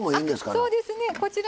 あそうですね。こちらの方